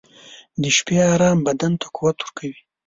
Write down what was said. • د شپې ارام بدن ته قوت ورکوي.